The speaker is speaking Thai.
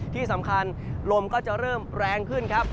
ที่สำคัญลมก็จะเริ่มแรงขึ้นครับ